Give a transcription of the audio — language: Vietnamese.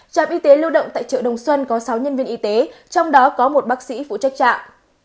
trạm y tế lưu động tại chợ đồng xuân có sáu nhân viên y tế trong đó có một bác sĩ phụ trách trạm